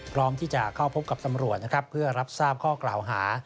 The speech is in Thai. พร้อมที่จะเข้าพบกับตำรวจนะครับเพื่อรับทราบข้อกล่าวหา